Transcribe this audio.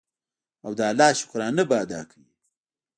او د الله شکرانه به ادا کوي.